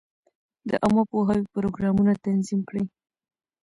د عامه پوهاوي پروګرامونه تنظیم کړي.